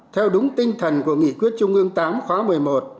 theo đúng tinh thần của nghị quyết trung ương viii khóa xi